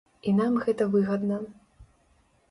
І нам гэта выгадна.